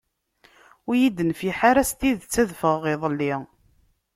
Ur yi-d-tenfiḥ ara s tidet ad ffɣeɣ iḍelli.